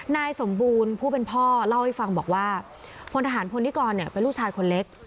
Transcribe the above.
นายสมบูรณ์ผู้เป็นพ่อเล่าให้ฟังบอกว่าพลทหารพลนิกรเป็นลูกชายคนเล็ก